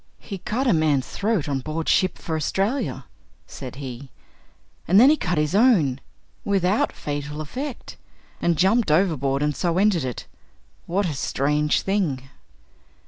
"He cut a man's throat on board ship for Australia," said he, "and then he cut his own, without fatal effect and jumped overboard, and so ended it. What a strange thing!"